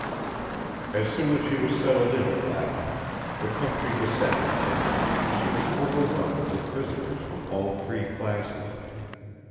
As soon as she was settled in at Lapton the county descended on her and she was overwhelmed with visitors from all three classes.